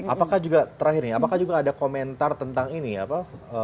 apakah juga terakhir nih apakah juga ada komentar tentang ini apa